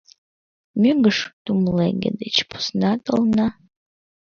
Мӧҥгыш тумлеге деч посна толна.